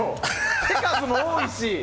手数も多いし！